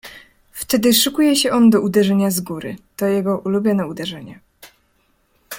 "Wtedy szykuje się on do uderzenia z góry; to jego ulubione uderzenie."